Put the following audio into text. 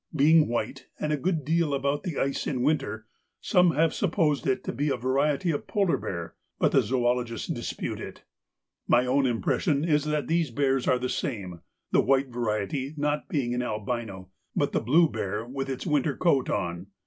Being white and a good deal about the ice in winter, some have supposed it to be a variety of polar bear, but the zoologists dispute it.' My own impression is that these bears are the same, the white variety not being an albino, but the blue bear with his winter coat on.